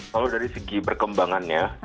kalau dari segi berkembangannya